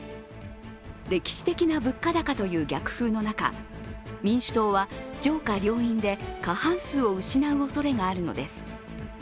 歴史的な物価高という逆風の中、民主党は上下両院で過半数を失うおそれがあるのです。